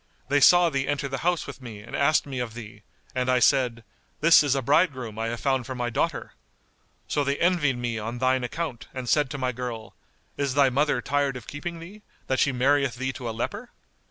They saw thee enter the house with me and asked me of thee; and I said, 'This is a bridegroom I have found for my daughter.' So they envied me on thine account and said to my girl, 'Is thy mother tired of keeping thee, that she marrieth thee to a leper?